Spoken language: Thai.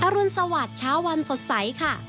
รุนสวัสดิ์เช้าวันสดใสค่ะ